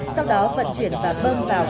sau đó vận chuyển và bơm vào